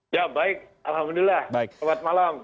ya baik alhamdulillah selamat malam